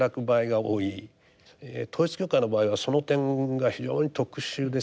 統一教会の場合はその点が非常に特殊ですね。